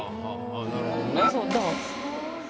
なるほどね。